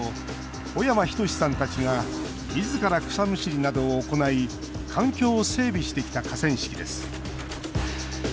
小山仁さんたちがみずから草むしりなどを行い環境を整備してきた河川敷です。